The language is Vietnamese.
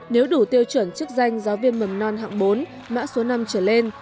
nếu đủ tiêu chuẩn chức danh giáo viên mầm non hạng bốn mã số năm trở lên